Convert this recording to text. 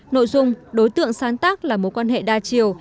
nội dung đối tượng sáng tác là mối quan hệ đa chiều